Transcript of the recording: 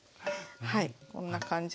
はいこんな感じで。